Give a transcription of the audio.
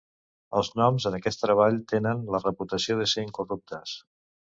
Els noms en aquest treball tenen la reputació de ser incorruptes.